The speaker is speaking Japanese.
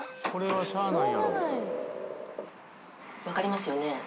分かりますよね？